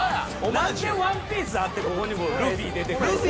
なんで『ＯＮＥＰＩＥＣＥ』あってここにルフィ出てくんねん！